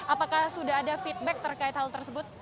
apakah sudah ada feedback terkait hal tersebut